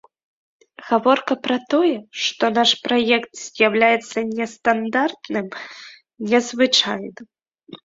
Гаворка пра тое, што наш праект з'яўляецца нестандартным, незвычайным.